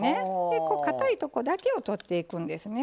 でかたいとこだけを取っていくんですね。